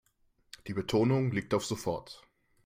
Die Betonung liegt auf sofort.